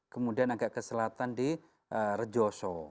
kemudian agak ke selatan di rejoso